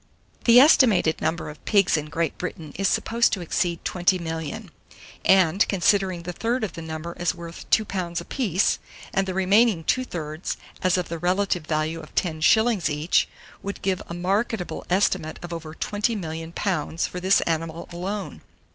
789. THE ESTIMATED NUMBER OF PIGS IN GREAT BRITAIN is supposed to exceed 20 millions; and, considering the third of the number as worth £2 apiece, and the remaining two thirds as of the relative value of 10s. each, would give a marketable estimate of over £20,000,000 for this animal alone.